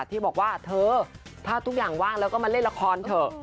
ที่บอกว่าเธอถ้าทุกอย่างว่างแล้วก็มาเล่นละครเถอะ